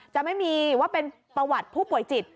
จะไม่มีว่าเป็นประวัติผู้ป่วยจิต